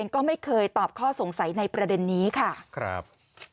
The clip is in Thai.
ก็ไม่เคยตอบข้อสงสัยในประเด็นนี้ค่ะครับ